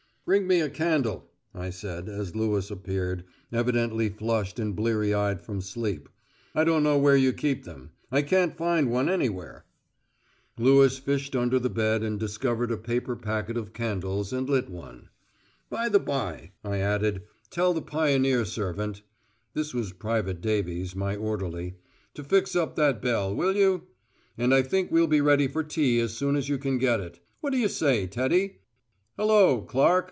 "Bring me a candle," I said, as Lewis appeared, evidently flushed and blear eyed from sleep. "I don't know where you keep them. I can't find one anywhere." Lewis fished under the bed and discovered a paper packet of candles, and lit one. "By the by," I added, "tell the pioneer servant (this was Private Davies, my orderly) to fix up that bell, will you? And I think we'll be ready for tea as soon as you can get it. What do you say, Teddy? Hullo, Clark!